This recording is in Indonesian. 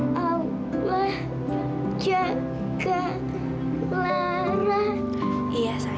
lera jangan ber titus saya